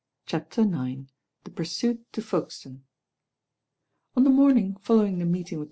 CHAPTER IX THE puxsurr to Folkestone ON the morning, following the meeting with Mrt.